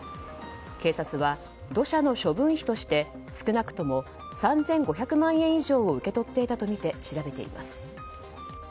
警察は土砂の処分費として少なくとも３５００万円以上を受け取っていたとみて調べています。